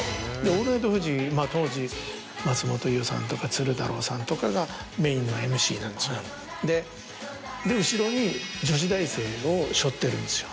『オールナイトフジ』当時松本伊代さんとか鶴太郎さんとかがメインのＭＣなんですよで。を背負ってるんですよ。